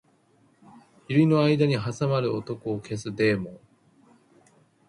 百合の間に挟まる男を消すデーモン